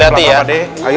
pelan pelan pak d